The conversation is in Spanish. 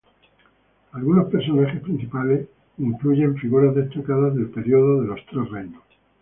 Algunos personajes principales incluyen figuras destacadas del período de los Tres Reinos.